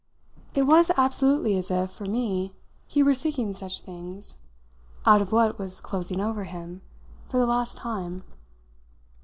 It was absolutely as if, for me, he were seeking such things out of what was closing over him for the last time.